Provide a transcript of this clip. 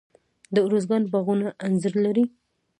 د ارزګان باغونه انځر لري.